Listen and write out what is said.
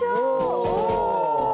お！